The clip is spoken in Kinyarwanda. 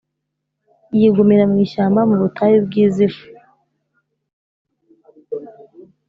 yigumira mu ishyamba mu butayu bw’i Zifu.